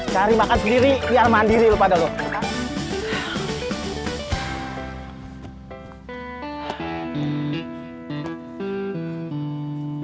cari makan sendiri biar mandiri lu pada lu